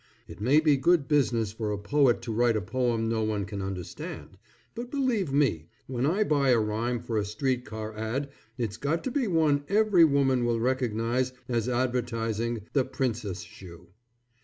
It may be good business for a poet to write a poem no one can understand, but believe me when I buy a rhyme for a street car ad it's got to be one every woman will recognize as advertising "The Princess Shoe."